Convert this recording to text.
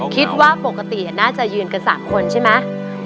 คิดว่าปกติน่าจะยืนกัน๓คนใช่ไหม